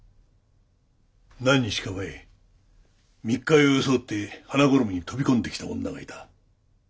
何日か前密会を装って花ごろもに飛び込んできた女がいた。